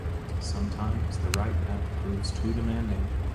Sometimes the right path proves too demanding